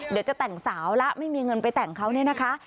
เดี๋ยวจะแต่งสาวแล้วไม่มีเงินไปแต่งเขาเนี่ยนะคะ